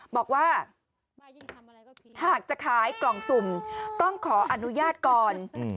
บอกว่าหากจะขายกล่องสุ่มต้องขออนุญาตก่อน